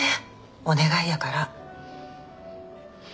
お願いやから。